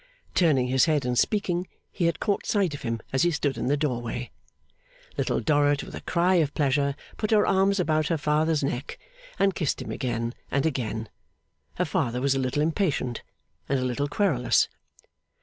(Turning his head in speaking, he had caught sight of him as he stood in the doorway.) Little Dorrit with a cry of pleasure put her arms about her father's neck, and kissed him again and again. Her father was a little impatient, and a little querulous.